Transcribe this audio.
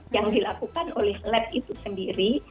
yang dilakukan oleh lab itu sendiri